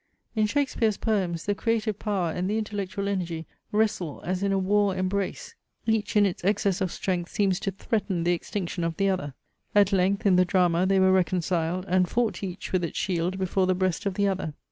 In Shakespeare's poems the creative power and the intellectual energy wrestle as in a war embrace. Each in its excess of strength seems to threaten the extinction of the other. At length in the drama they were reconciled, and fought each with its shield before the breast of the other.